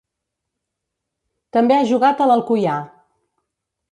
També ha jugat a l'Alcoià.